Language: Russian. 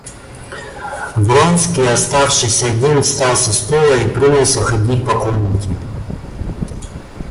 Вронский, оставшись один, встал со стула и принялся ходить по комнате.